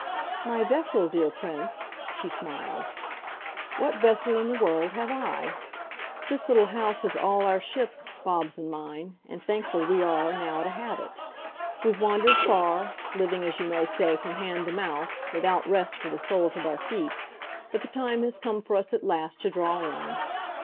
"My vessel, dear Prince?" she smiled. "What vessel, in the world, have I? This little house is all our ship, Bob's and mine and thankful we are, now, to have it. We've wandered far, living, as you may say, from hand to mouth, without rest for the soles of our feet. But the time has come for us at last to draw in."